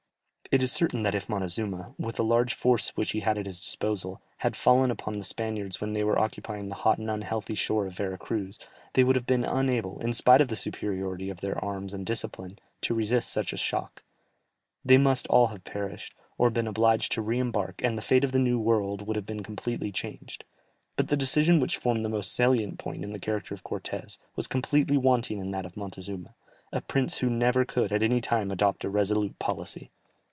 It is certain that if Montezuma, with the large force which he had at his disposal, had fallen upon the Spaniards when they were occupying the hot and unhealthy shore of Vera Cruz, they would have been unable, in spite of the superiority of their arms and discipline, to resist such a shock; they must all have perished, or been obliged to re embark, and the fate of the New World would have been completely changed. But the decision which formed the most salient point in the character of Cortès, was completely wanting in that of Montezuma, a prince who never could at any time adopt a resolute policy.